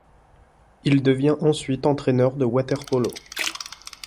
Il devient ensuite entraîneur de water-polo.